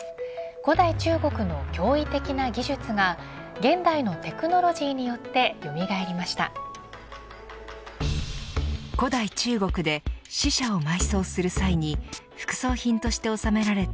古代中国の驚異的な技術が現代のテクノロジーによってよみがえりました。